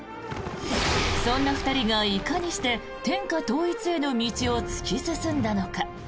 そんな２人がいかにして天下統一への道を突き進んだのか。